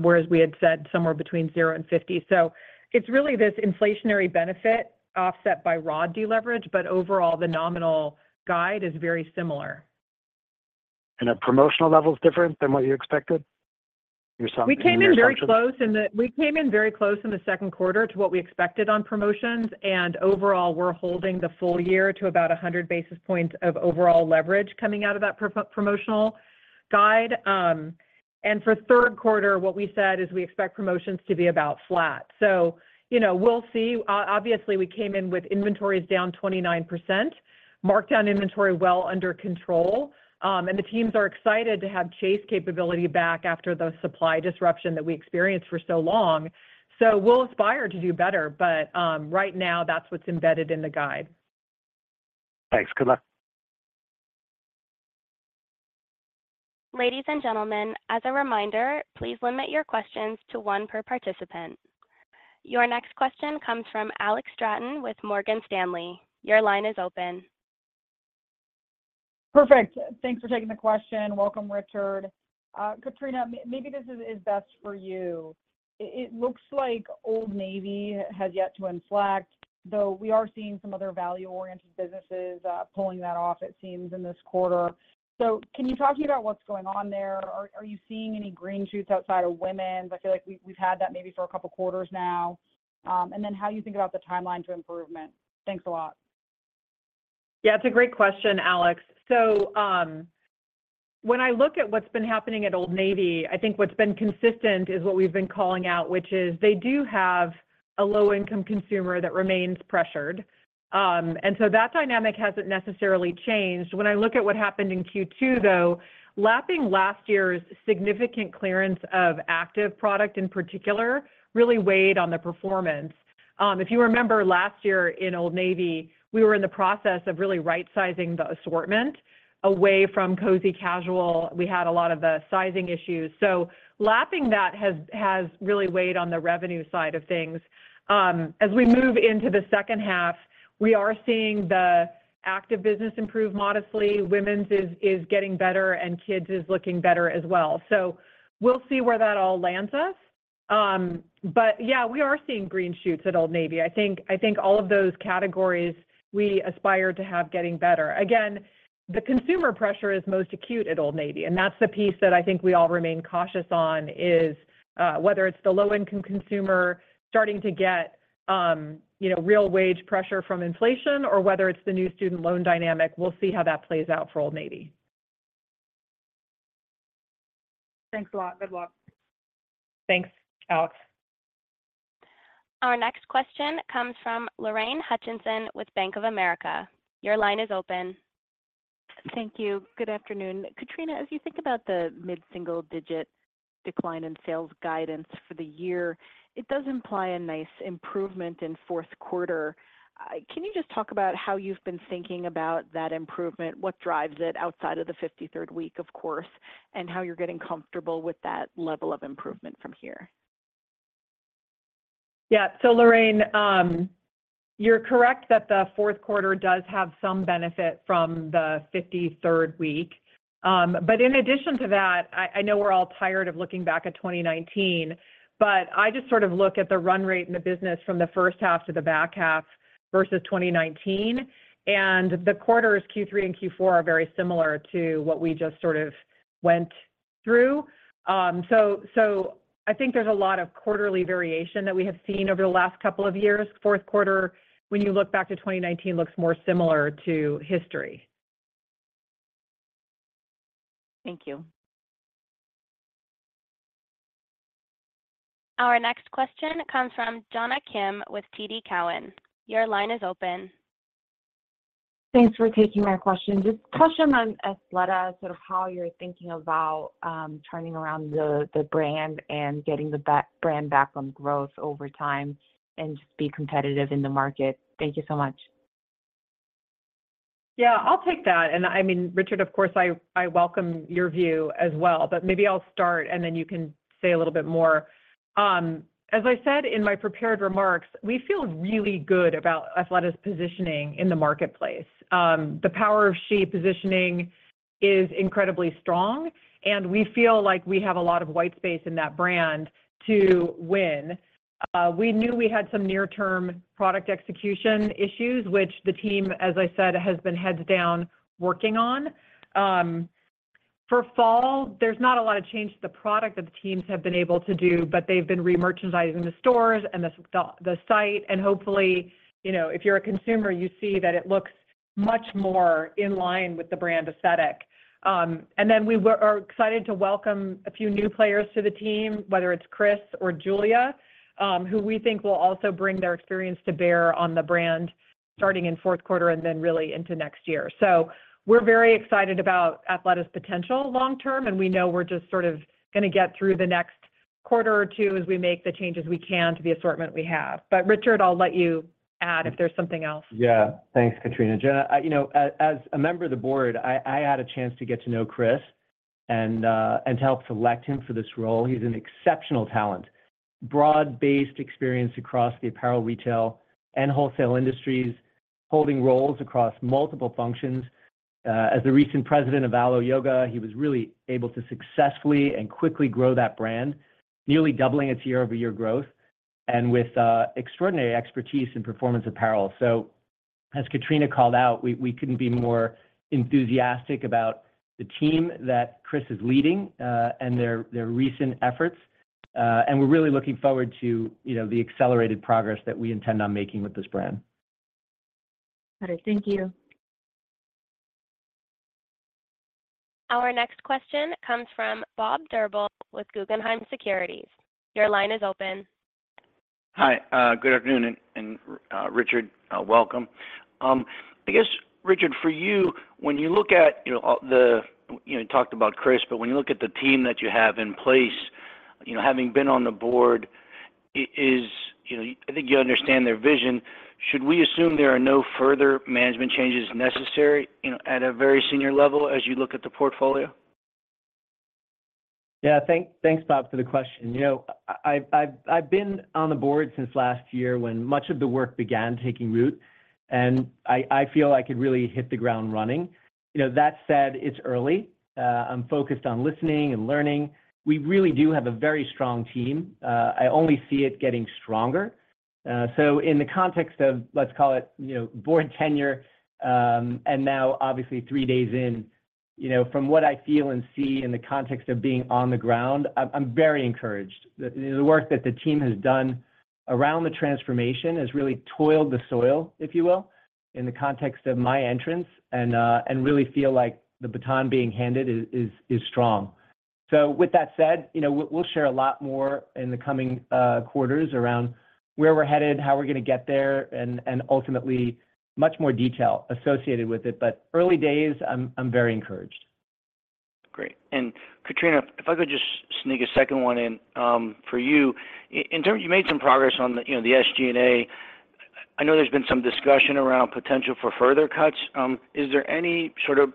whereas we had said somewhere between 0 and 50. So it's really this inflationary benefit offset by ROD deleverage, but overall, the nominal guide is very similar. Are promotional levels different than what you expected? Your sum- We came in very close in the second quarter to what we expected on promotions, and overall, we're holding the full year to about 100 basis points of overall leverage coming out of that promotional guide. And for third quarter, what we said is we expect promotions to be about flat. So, you know, we'll see. Obviously, we came in with inventories down 29%, markdown inventory well under control, and the teams are excited to have chase capability back after the supply disruption that we experienced for so long. So we'll aspire to do better, but, right now, that's what's embedded in the guide. Thanks. Good.... Ladies and gentlemen, as a reminder, please limit your questions to one per participant. Your next question comes from Alex Straton with Morgan Stanley. Your line is open. Perfect. Thanks for taking the question. Welcome, Richard. Katrina, maybe this is best for you. It looks like Old Navy has yet to inflect, though we are seeing some other value-oriented businesses pulling that off, it seems, in this quarter. So can you talk to me about what's going on there? Are you seeing any green shoots outside of women's? I feel like we've had that maybe for a couple quarters now. And then how you think about the timeline to improvement? Thanks a lot. Yeah, it's a great question, Alex. So, when I look at what's been happening at Old Navy, I think what's been consistent is what we've been calling out, which is they do have a low-income consumer that remains pressured. And so that dynamic hasn't necessarily changed. When I look at what happened in Q2, though, lagging last year's significant clearance of active product, in particular, really weighed on the performance. If you remember last year in Old Navy, we were in the process of really right-sizing the assortment away from cozy casual. We had a lot of the sizing issues. So lagging that has really weighed on the revenue side of things. As we move into the second half, we are seeing the active business improve modestly, women's is getting better, and kids is looking better as well. So we'll see where that all lands us. But yeah, we are seeing green shoots at Old Navy. I think, I think all of those categories we aspire to have getting better. Again, the consumer pressure is most acute at Old Navy, and that's the piece that I think we all remain cautious on, is whether it's the low-income consumer starting to get, you know, real wage pressure from inflation, or whether it's the new student loan dynamic. We'll see how that plays out for Old Navy. Thanks a lot. Good luck. Thanks, Alex. Our next question comes from Lorraine Hutchinson with Bank of America. Your line is open. Thank you. Good afternoon. Katrina, as you think about the mid-single-digit decline in sales guidance for the year, it does imply a nice improvement in fourth quarter. Can you just talk about how you've been thinking about that improvement? What drives it outside of the 53rd week, of course, and how you're getting comfortable with that level of improvement from here? Yeah. So, Lorraine, you're correct that the fourth quarter does have some benefit from the 53rd week. But in addition to that, I know we're all tired of looking back at 2019, but I just sort of look at the run rate in the business from the first half to the back half versus 2019, and the quarters Q3 and Q4 are very similar to what we just sort of went through. So, I think there's a lot of quarterly variation that we have seen over the last couple of years. Fourth quarter, when you look back to 2019, looks more similar to history. Thank you. Our next question comes from Jonna Kim with TD Cowen. Your line is open. Thanks for taking my question. Just question on Athleta, sort of how you're thinking about turning around the brand and getting the brand back on growth over time and just be competitive in the market. Thank you so much. Yeah, I'll take that, and I mean, Richard, of course, I welcome your view as well, but maybe I'll start, and then you can say a little bit more. As I said in my prepared remarks, we feel really good about Athleta's positioning in the marketplace. The power of she positioning is incredibly strong, and we feel like we have a lot of white space in that brand to win. We knew we had some near-term product execution issues, which the team, as I said, has been heads down working on. For fall, there's not a lot of change to the product that the teams have been able to do, but they've been remerchandising the stores and the site, and hopefully, you know, if you're a consumer, you see that it looks much more in line with the brand aesthetic. And then we are excited to welcome a few new players to the team, whether it's Chris or Julia, who we think will also bring their experience to bear on the brand, starting in fourth quarter and then really into next year. So we're very excited about Athleta's potential long term, and we know we're just sort of gonna get through the next quarter or two as we make the changes we can to the assortment we have. But Richard, I'll let you add if there's something else. Yeah. Thanks, Katrina. Jenna, you know, as a member of the board, I had a chance to get to know Chris and to help select him for this role. He's an exceptional talent, broad-based experience across the apparel, retail, and wholesale industries, holding roles across multiple functions. As the recent president of Alo Yoga, he was really able to successfully and quickly grow that brand, nearly doubling its year-over-year growth, and with extraordinary expertise in performance apparel. So as Katrina called out, we couldn't be more enthusiastic about the team that Chris is leading and their recent efforts. And we're really looking forward to, you know, the accelerated progress that we intend on making with this brand. Got it. Thank you. Our next question comes from Bob Drbul with Guggenheim Securities. Your line is open. Hi, good afternoon, and Richard, welcome. I guess, Richard, for you, when you look at, you know, all the... You know, talked about Chris, but when you look at the team that you have in place-you know, having been on the board, is, you know, I think you understand their vision. Should we assume there are no further management changes necessary, you know, at a very senior level as you look at the portfolio? Yeah, thanks, Bob, for the question. You know, I've been on the board since last year when much of the work began taking root, and I feel I could really hit the ground running. You know, that said, it's early. I'm focused on listening and learning. We really do have a very strong team. I only see it getting stronger. So in the context of, let's call it, you know, board tenure, and now obviously, three days in, you know, from what I feel and see in the context of being on the ground, I'm very encouraged. The work that the team has done around the transformation has really toiled the soil, if you will, in the context of my entrance and really feel like the baton being handed is strong. With that said, you know, we'll share a lot more in the coming quarters around where we're headed, how we're gonna get there, and ultimately, much more detail associated with it, but early days, I'm very encouraged. Great. And Katrina, if I could just sneak a second one in, for you. In terms, you made some progress on the, you know, the SG&A. I know there's been some discussion around potential for further cuts. Is there any sort of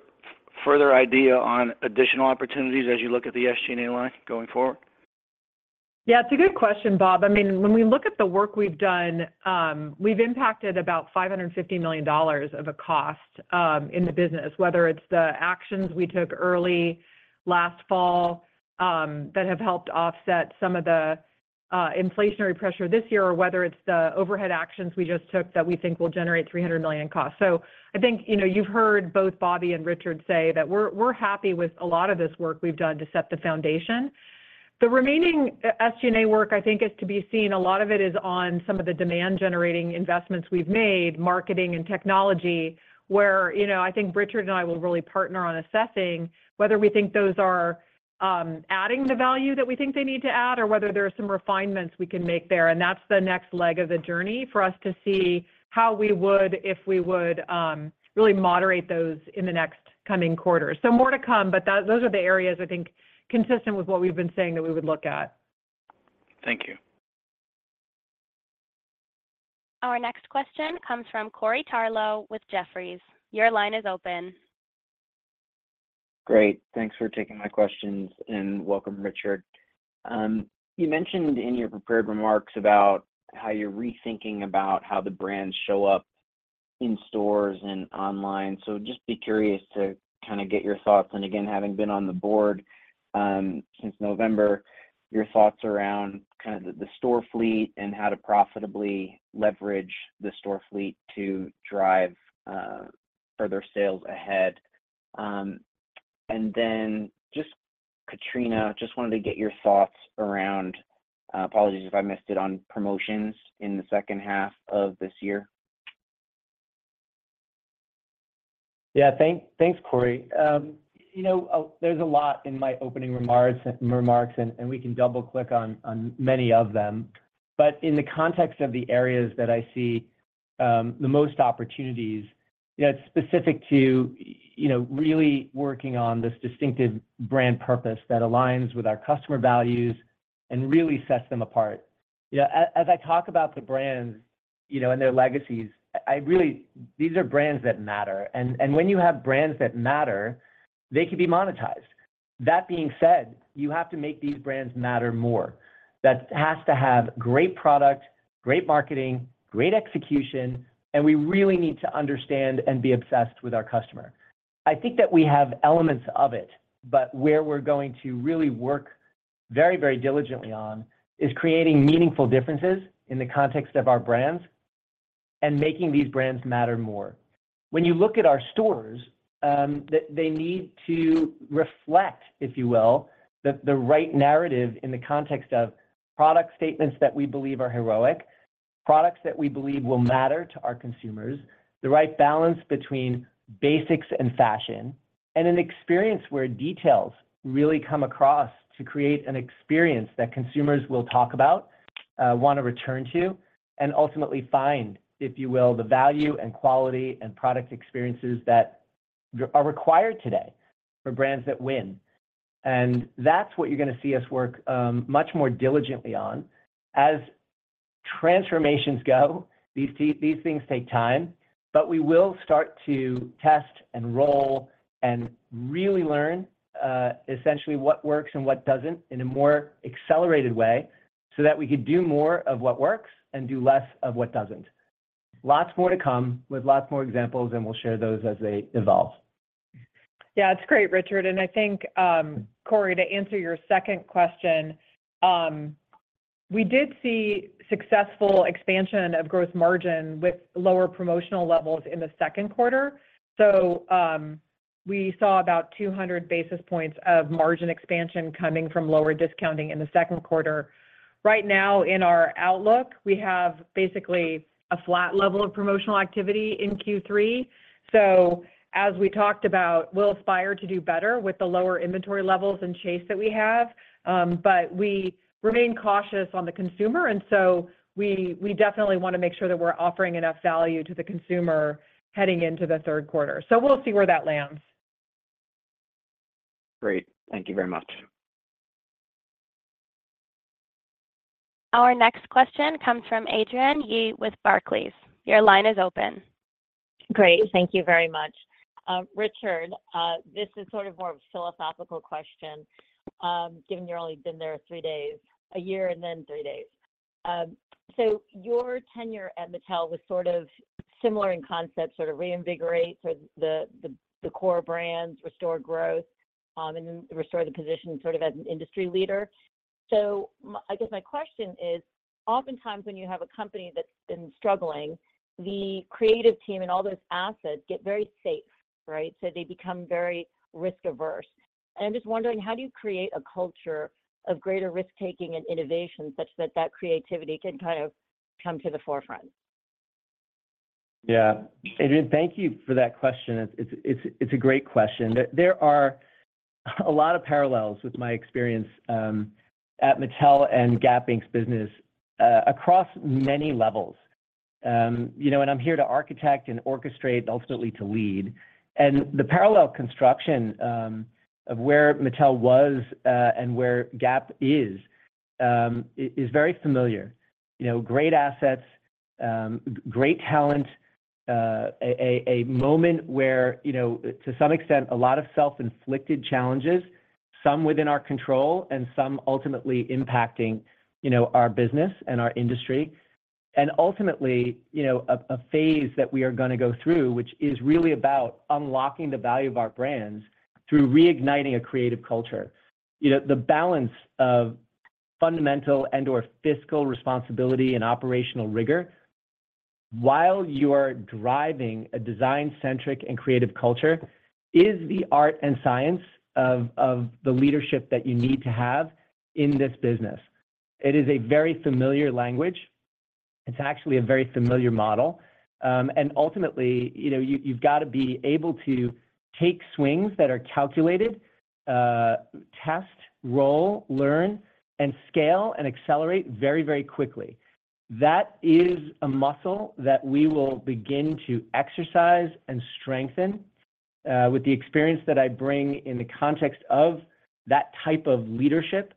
further idea on additional opportunities as you look at the SG&A line going forward? Yeah, it's a good question, Bob. I mean, when we look at the work we've done, we've impacted about $550 million of a cost in the business, whether it's the actions we took early last fall that have helped offset some of the inflationary pressure this year, or whether it's the overhead actions we just took that we think will generate $300 million costs. So I think, you know, you've heard both Bobby and Richard say that we're, we're happy with a lot of this work we've done to set the foundation. The remaining SG&A work, I think, is to be seen. A lot of it is on some of the demand-generating investments we've made, marketing and technology, where, you know, I think Richard and I will really partner on assessing whether we think those are adding the value that we think they need to add or whether there are some refinements we can make there. And that's the next leg of the journey for us to see how we would, if we would really moderate those in the next coming quarters. So more to come, but that, those are the areas I think, consistent with what we've been saying that we would look at. Thank you. Our next question comes from Corey Tarlowe with Jefferies. Your line is open. Great. Thanks for taking my questions, and welcome, Richard. You mentioned in your prepared remarks about how you're rethinking about how the brands show up in stores and online. So just be curious to kinda get your thoughts, and again, having been on the board since November, your thoughts around kinda the store fleet and how to profitably leverage the store fleet to drive further sales ahead. And then just, Katrina, just wanted to get your thoughts around, apologies if I missed it, on promotions in the second half of this year. Yeah, thanks, Corey. You know, there's a lot in my opening remarks, and we can double-click on many of them. But in the context of the areas that I see the most opportunities, yeah, it's specific to, you know, really working on this distinctive brand purpose that aligns with our customer values and really sets them apart. Yeah, as I talk about the brands, you know, and their legacies, I really, these are brands that matter, and when you have brands that matter, they can be monetized. That being said, you have to make these brands matter more. That has to have great product, great marketing, great execution, and we really need to understand and be obsessed with our customer. I think that we have elements of it, but where we're going to really work very, very diligently on is creating meaningful differences in the context of our brands and making these brands matter more. When you look at our stores, they need to reflect, if you will, the right narrative in the context of product statements that we believe are heroic, products that we believe will matter to our consumers, the right balance between basics and fashion, and an experience where details really come across to create an experience that consumers will talk about, want to return to, and ultimately find, if you will, the value and quality and product experiences that are required today for brands that win. That's what you're gonna see us work much more diligently on. As transformations go, these things take time, but we will start to test and roll and really learn, essentially what works and what doesn't in a more accelerated way, so that we could do more of what works and do less of what doesn't. Lots more to come with lots more examples, and we'll share those as they evolve. Yeah, it's great, Richard. And I think, Corey, to answer your second question, we did see successful expansion of gross margin with lower promotional levels in the second quarter. So, we saw about 200 basis points of margin expansion coming from lower discounting in the second quarter. Right now, in our outlook, we have basically a flat level of promotional activity in Q3. So as we talked about, we'll aspire to do better with the lower inventory levels and chase that we have, but we remain cautious on the consumer, and so we definitely wanna make sure that we're offering enough value to the consumer heading into the third quarter. So we'll see where that lands.... Great. Thank you very much. Our next question comes from Adrienne Yih with Barclays. Your line is open. Great. Thank you very much. Richard, this is sort of more of a philosophical question, given you've only been there three days—a year and then three days. So your tenure at Mattel was sort of similar in concept, sort of reinvigorate the core brands, restore growth, and then restore the position sort of as an industry leader. So I guess my question is, oftentimes, when you have a company that's been struggling, the creative team and all those assets get very safe, right? So they become very risk-averse. And I'm just wondering, how do you create a culture of greater risk-taking and innovation such that that creativity can kind of come to the forefront? Yeah. Adrienne, thank you for that question. It's a great question. There are a lot of parallels with my experience at Mattel and Gap Inc's business across many levels. You know, and I'm here to architect and orchestrate, ultimately to lead. And the parallel construction of where Mattel was and where Gap is is very familiar. You know, great assets, great talent, a moment where, you know, to some extent, a lot of self-inflicted challenges, some within our control and some ultimately impacting, you know, our business and our industry. And ultimately, you know, a phase that we are gonna go through, which is really about unlocking the value of our brands through reigniting a creative culture. You know, the balance of fundamental and/or fiscal responsibility and operational rigor, while you are driving a design-centric and creative culture, is the art and science of the leadership that you need to have in this business. It is a very familiar language. It's actually a very familiar model. And ultimately, you know, you've got to be able to take swings that are calculated, test, roll, learn, and scale and accelerate very, very quickly. That is a muscle that we will begin to exercise and strengthen. With the experience that I bring in the context of that type of leadership,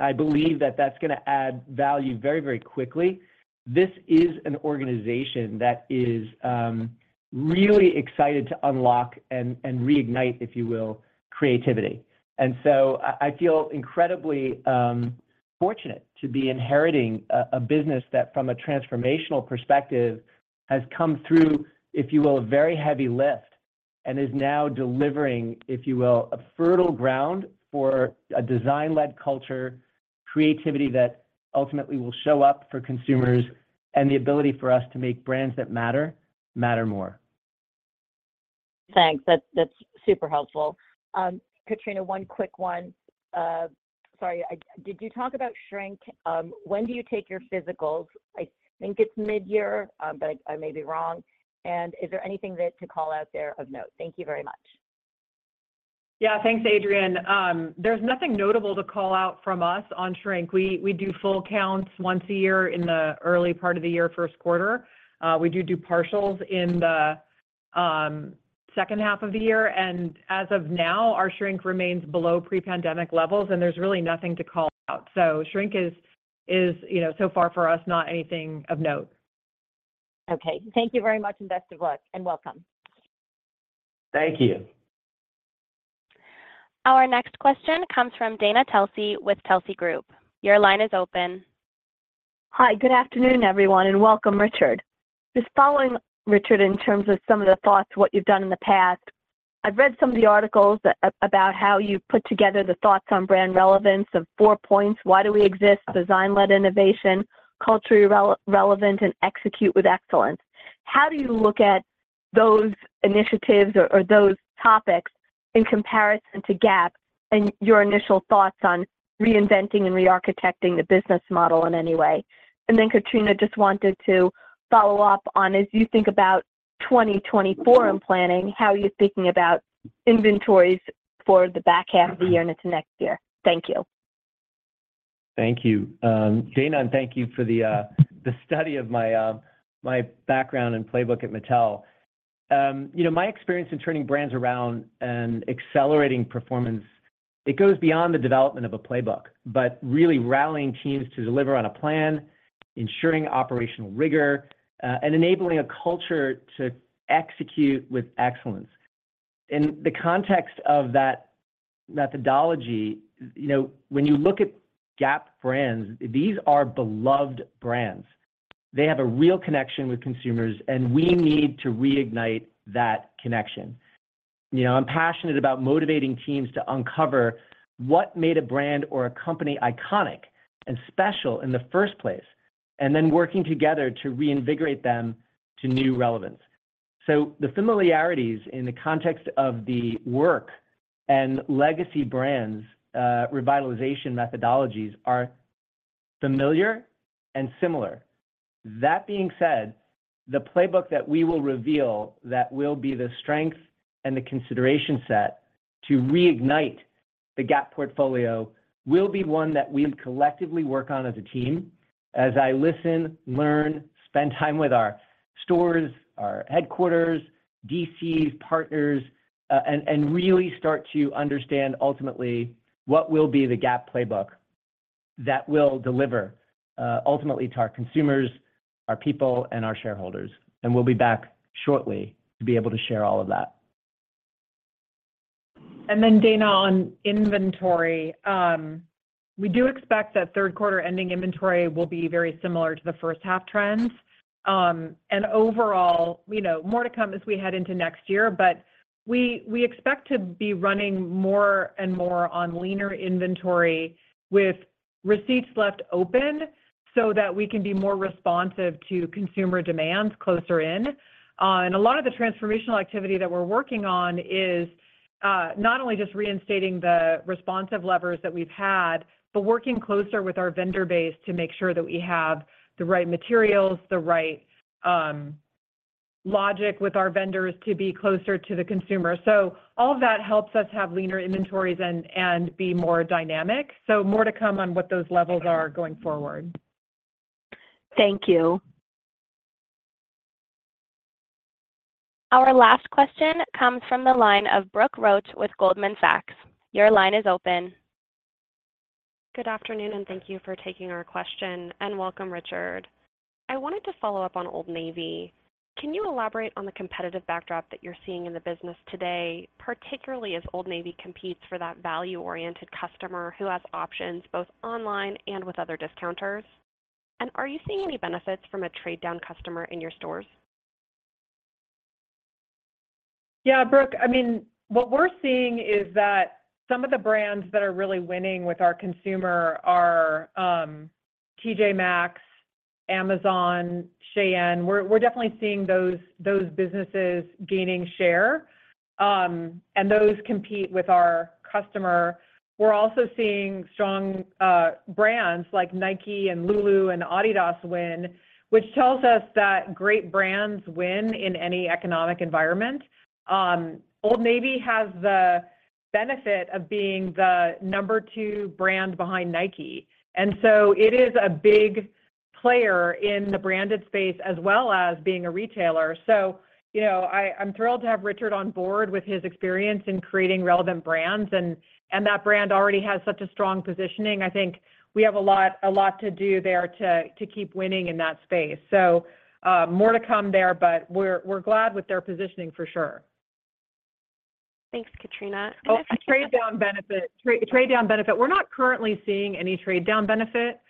I believe that that's gonna add value very, very quickly. This is an organization that is really excited to unlock and reignite, if you will, creativity. And so I feel incredibly fortunate to be inheriting a business that, from a transformational perspective, has come through, if you will, a very heavy lift, and is now delivering, if you will, a fertile ground for a design-led culture, creativity that ultimately will show up for consumers, and the ability for us to make brands that matter, matter more. Thanks. That's, that's super helpful. Katrina, one quick one. Sorry, I... Did you talk about shrink? When do you take your physicals? I think it's mid-year, but I may be wrong. Is there anything there to call out there of note? Thank you very much. Yeah. Thanks, Adrienne. There's nothing notable to call out from us on shrink. We do full counts once a year in the early part of the year, first quarter. We do partials in the second half of the year, and as of now, our shrink remains below pre-pandemic levels, and there's really nothing to call out. So shrink is, you know, so far for us, not anything of note. Okay. Thank you very much, and best of luck, and welcome. Thank you. Our next question comes from Dana Telsey with Telsey Group. Your line is open. Hi, good afternoon, everyone, and welcome, Richard. Just following, Richard, in terms of some of the thoughts, what you've done in the past, I've read some of the articles about how you put together the thoughts on brand relevance of four points: why do we exist, design-led innovation, culturally relevant, and execute with excellence. How do you look at those initiatives or, or those topics in comparison to Gap and your initial thoughts on reinventing and rearchitecting the business model in any way? And then, Katrina, just wanted to follow up on, as you think about 2024 and planning, how are you thinking about inventories for the back half of the year and into next year? Thank you. Thank you, Dana, and thank you for the study of my background and playbook at Mattel. You know, my experience in turning brands around and accelerating performance, it goes beyond the development of a playbook, but really rallying teams to deliver on a plan, ensuring operational rigor, and enabling a culture to execute with excellence. In the context of that methodology, you know, when you look at Gap brands, these are beloved brands. They have a real connection with consumers, and we need to reignite that connection. You know, I'm passionate about motivating teams to uncover what made a brand or a company iconic and special in the first place, and then working together to reinvigorate them to new relevance. So the familiarities in the context of the work and legacy brands', revitalization methodologies are familiar and similar. That being said, the playbook that we will reveal that will be the strength and the consideration set to reignite the Gap portfolio will be one that we'll collectively work on as a team, as I listen, learn, spend time with our stores, our headquarters, DCs, partners, and really start to understand ultimately what will be the Gap playbook that will deliver ultimately to our consumers, our people, and our shareholders. We'll be back shortly to be able to share all of that. And then, Dana, on inventory, we do expect that third quarter ending inventory will be very similar to the first half trends. And overall, you know, more to come as we head into next year, but we, we expect to be running more and more on leaner inventory with receipts left open so that we can be more responsive to consumer demands closer in. And a lot of the transformational activity that we're working on is, not only just reinstating the responsive levers that we've had, but working closer with our vendor base to make sure that we have the right materials, the right, logic with our vendors to be closer to the consumer. So all of that helps us have leaner inventories and, and be more dynamic. So more to come on what those levels are going forward. Thank you. Our last question comes from the line of Brooke Roach with Goldman Sachs. Your line is open. Good afternoon, and thank you for taking our question, and welcome, Richard. I wanted to follow up on Old Navy. Can you elaborate on the competitive backdrop that you're seeing in the business today, particularly as Old Navy competes for that value-oriented customer who has options both online and with other discounters? And are you seeing any benefits from a trade-down customer in your stores? Yeah, Brooke. I mean, what we're seeing is that some of the brands that are really winning with our consumer are TJ Maxx, Amazon, Shein. We're definitely seeing those businesses gaining share, and those compete with our customer. We're also seeing strong brands like Nike and Lulu and Adidas win, which tells us that great brands win in any economic environment. Old Navy has the benefit of being the number two brand behind Nike, and so it is a big player in the branded space, as well as being a retailer. So you know, I'm thrilled to have Richard on board with his experience in creating relevant brands, and that brand already has such a strong positioning. I think we have a lot to do there to keep winning in that space. More to come there, but we're, we're glad with their positioning for sure. Thanks, Katrina. Oh, trade-down benefit. Trade, trade-down benefit. We're not currently seeing any trade-down benefit.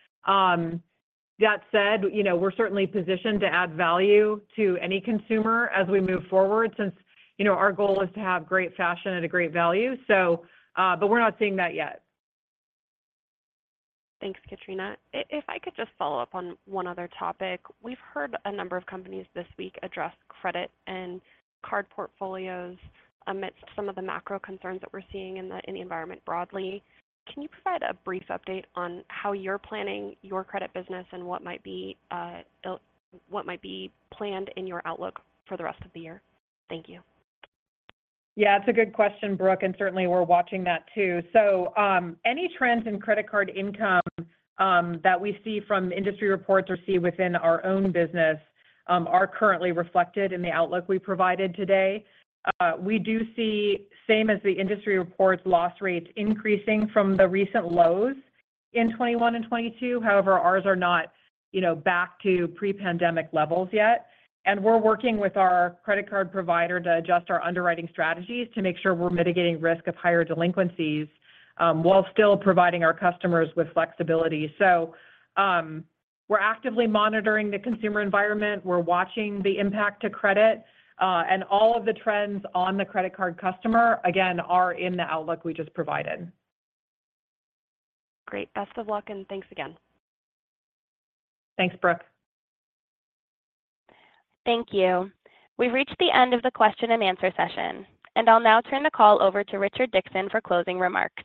That said, you know, we're certainly positioned to add value to any consumer as we move forward, since, you know, our goal is to have great fashion at a great value. So, but we're not seeing that yet. Thanks, Katrina. If I could just follow up on one other topic. We've heard a number of companies this week address credit and card portfolios amidst some of the macro concerns that we're seeing in the environment broadly. Can you provide a brief update on how you're planning your credit business and what might be planned in your outlook for the rest of the year? Thank you. Yeah, it's a good question, Brooke, and certainly we're watching that too. So, any trends in credit card income that we see from industry reports or see within our own business are currently reflected in the outlook we provided today. We do see, same as the industry reports, loss rates increasing from the recent lows in 2021 and 2022. However, ours are not, you know, back to pre-pandemic levels yet, and we're working with our credit card provider to adjust our underwriting strategies to make sure we're mitigating risk of higher delinquencies while still providing our customers with flexibility. So, we're actively monitoring the consumer environment, we're watching the impact to credit, and all of the trends on the credit card customer, again, are in the outlook we just provided. Great. Best of luck, and thanks again. Thanks, Brooke. Thank you. We've reached the end of the question and answer session, and I'll now turn the call over to Richard Dickson for closing remarks.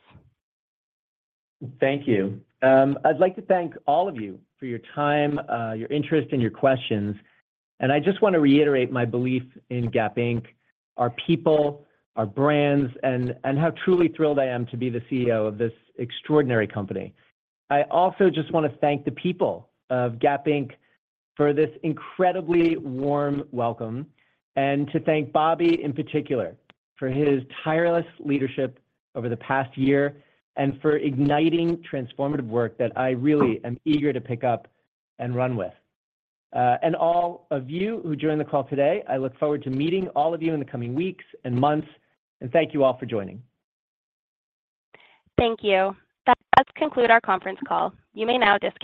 Thank you. I'd like to thank all of you for your time, your interest, and your questions. I just want to reiterate my belief in Gap Inc, our people, our brands, and how truly thrilled I am to be the CEO of this extraordinary company. I also just want to thank the people of Gap Inc for this incredibly warm welcome, and to thank Bobby in particular for his tireless leadership over the past year, and for igniting transformative work that I really am eager to pick up and run with. All of you who joined the call today, I look forward to meeting all of you in the coming weeks and months, and thank you all for joining. Thank you. That concludes our conference call. You may now disconnect.